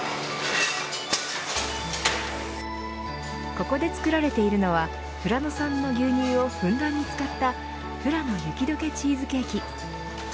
ここで作られているのは富良野産の牛乳をふんだんに使ったふらの雪どけチーズケーキ。